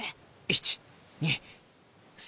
１・２３人！